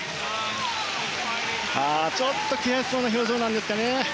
ちょっと悔しそうな表情なんですかね。